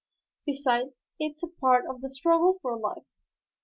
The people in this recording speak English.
Besides, it's a part of the struggle for life."